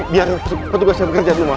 biarkan petugas saya bekerja dulu mah